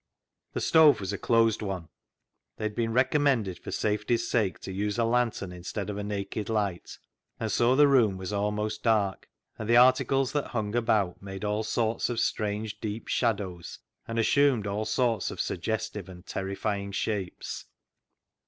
The stove was a closed one. They had been recommended for safety's sake to use a lantern instead of a naked light, and so the room was almost dark, and the articles that hung about made all sorts of strange deep shadows, and assumed all sorts of suggestive and terrifying shapes.